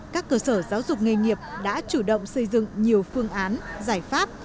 các cơ sở giáo dục nghề nghiệp đã chủ động xây dựng nhiều phương án giải pháp